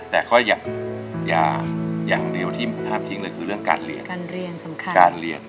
แต่อย่างเดียวที่ห้ามทิ้งเลยคือเรื่องการเรียน